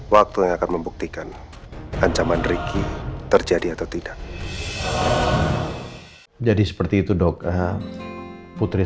waktu yang akan membuktikan ancaman ricky terjadi atau tidak jadi seperti itu doka putri